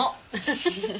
フフフッ。